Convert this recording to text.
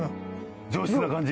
上質な感じ？